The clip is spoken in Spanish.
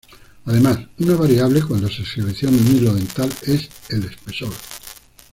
Además, una variable cuando se selecciona un hilo dental es el espesor.